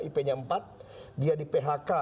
ip nya empat dia di phk